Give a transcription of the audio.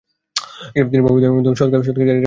তিনি প্রভাবিত হন এবং সদকায়ে জারিয়ার প্রেরণা লাভ করেন।